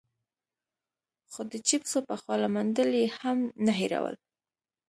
خو د چېپسو په خوله منډل يې هم نه هېرول.